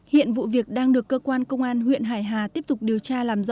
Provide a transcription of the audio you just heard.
hiện vụ việc đang được cơ quan công an huyện hải hà tiếp tục điều tra